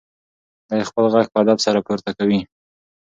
دی خپل غږ په ادب سره پورته کوي.